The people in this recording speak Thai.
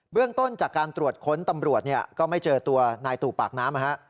เรื่องต้นจากการตรวจค้นตำรวจก็ไม่เจอตัวนายตู่ปากน้ำ